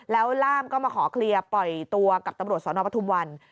แล้วล่ามก็มาขอเคลียร์ปล่อยตัวกับตำรวจสนปทุมวัน